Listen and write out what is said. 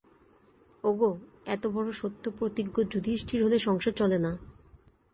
ওগো, এতবড় সত্যপ্রতিজ্ঞ যুধিষ্ঠির হলে সংসার চলে না।